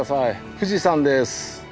富士山です。